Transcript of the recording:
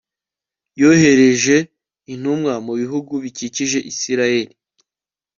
Yohereje intumwa mu bihugu bikikije Isirayeli